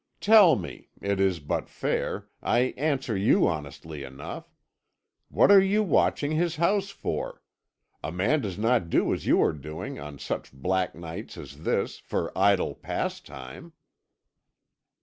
Tell me. It is but fair; I answer you honestly enough. What are you watching his house for? A man does not do as you are doing, on such black nights as this, for idle pastime."